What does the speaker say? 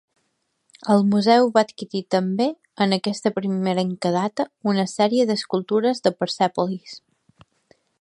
El museu va adquirir també, en aquesta primerenca data, una sèrie d'escultures de Persèpolis.